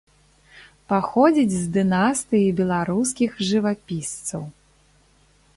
Паходзіць з дынастыі беларускіх жывапісцаў.